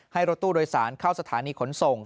รถตู้โดยสารเข้าสถานีขนส่ง